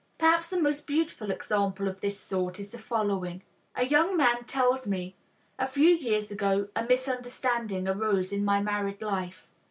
Perhaps the most beautiful example of this sort is the following: A young man tells me: "A few years ago a misunderstanding arose in my married life.